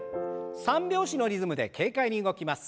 三拍子のリズムで軽快に動きます。